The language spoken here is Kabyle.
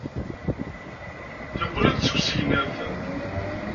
Yeqqel-d seg usegnaf.